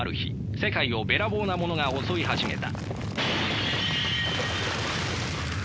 世界をべらぼうなものが襲い始めた。